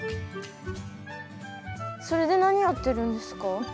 それで何やってるんですか？